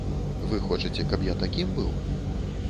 Вы хочаце, каб я такім быў?